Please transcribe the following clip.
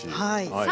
はい。